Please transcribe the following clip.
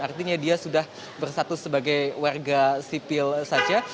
artinya dia sudah bersatu sebagai warga sipil saja